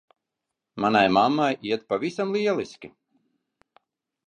Manai mammai iet pavisam lieliski.